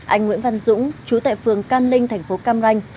anh nguyễn văn dũng chú tại phường can ninh thành phố cam ranh